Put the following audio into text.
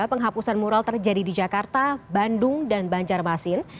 penghapusan mural terjadi di jakarta bandung dan banjarmasin